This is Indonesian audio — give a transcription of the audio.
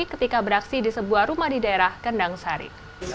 ketika beraksi di sebuah rumah di daerah kendang sari